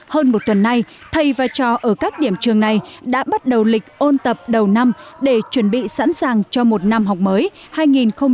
hơn một tuần nay thầy và cho ở các điểm trường này đã bắt đầu lịch ôn tập đầu năm để chuẩn bị sẵn sàng cho một năm học mới hai nghìn một mươi bảy hai nghìn một mươi tám